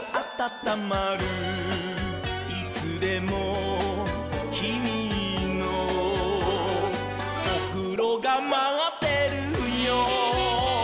「いつでもきみのおふろがまってるよ」